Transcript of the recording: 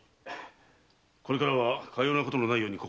これからはかようなことのないように心がけます。